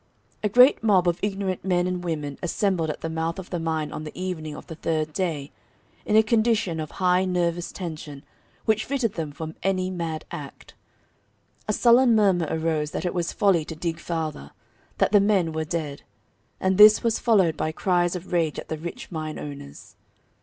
A great mob of ignorant men and women assembled at the mouth of the mine on the evening of the third day, in a condition of high nervous tension which fitted them for any mad act. A sullen murmur arose that it was folly to dig farther that the men were dead. And this was followed by cries of rage at the rich mine owners.